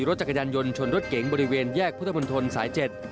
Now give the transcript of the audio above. รถจักรยานยนต์ชนรถเก๋งบริเวณแยกพุทธมนตรสาย๗